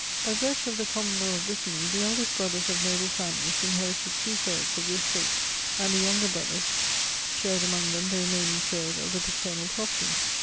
By virtue of the common law of Brittany, the eldest brothers of noble families inherited two thirds of the estates ; and the younger brothers shared among them the remaining third of the paternal property.